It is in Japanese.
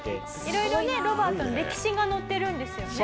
色々ねロバートの歴史が載ってるんですよね。